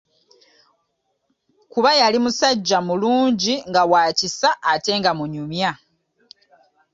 Kuba yali musajja mulungi nga wa kisa ate nga munyumya.